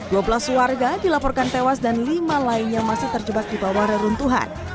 dua belas warga dilaporkan tewas dan lima lainnya masih terjebak di bawah reruntuhan